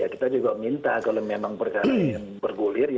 kita juga minta kalau memang perkara ini bergulir